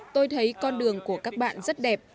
tôi thấy con đường của các bạn rất đẹp